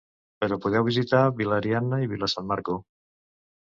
Però podeu visitar Villa Arianna i Villa San Marco.